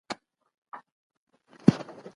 خیر محمد ته د نانوایۍ تودوخه ډېره ارامه ښکارېده.